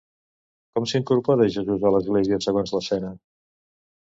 Com s'incorpora Jesús a l'església segons l'escena?